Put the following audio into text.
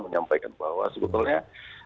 menyampaikan bahwa sebetulnya